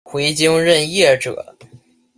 回京任谒者。